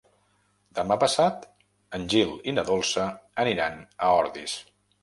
Demà passat en Gil i na Dolça aniran a Ordis.